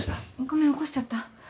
ごめん起こしちゃった？